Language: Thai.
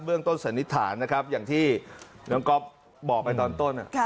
เรื่องต้นสันนิษฐานนะครับอย่างที่น้องก๊อฟบอกไปตอนต้น